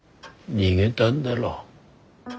逃げだんだろ。